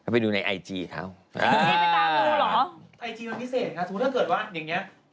ไปดูในไอจี้เขาไอจี้ไปตามดูเหรอไอจี้มันพิเศษค่ะ